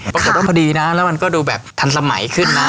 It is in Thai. พอดีนะแล้วมันก็ดูแบบทันสมัยขึ้นนะ